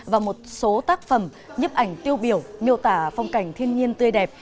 và một số tác phẩm nhếp ảnh tiêu biểu miêu tả phong cảnh thiên nhiên tươi đẹp